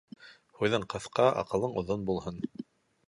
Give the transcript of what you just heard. Һүҙең ҡыҫҡа, аҡылың оҙон булһын.